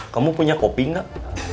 kamu punya kopi gak